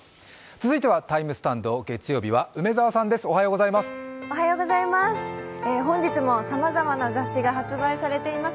続いてはＴＩＭＥスタンド、月曜日は梅澤さんです。